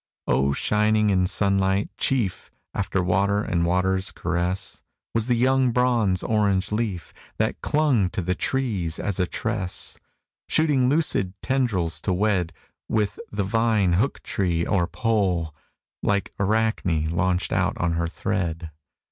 O shining in sunlight, chief After water and water's caress, Was the young bronze orange leaf, That clung to the trees as a tress, Shooting lucid tendrils to wed With the vine hook tree or pole, Like Arachne launched out on her thread.